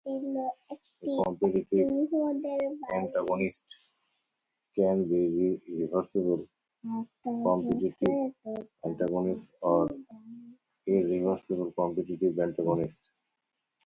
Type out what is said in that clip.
A competitive antagonist can be reversible competitive antagonist or irreversible competitive antagonist.